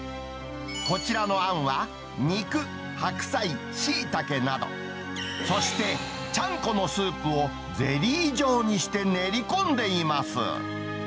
こちらのあんは、肉、白菜、シイタケなど、そして、ちゃんこのスープをゼリー状にして練り込んでいます。